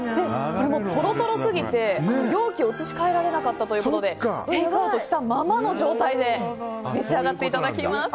トロトロすぎて、容器を移し替えられなかったのでテイクアウトしたままの状態で召し上がっていただきます。